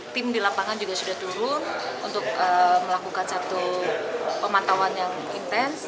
tim di lapangan juga sudah turun untuk melakukan satu pemantauan yang intens